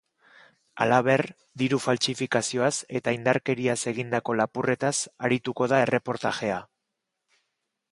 Halaber, diru faltsifikazioaz eta indarkeriaz egindako lapurretaz arituko da erreportajea.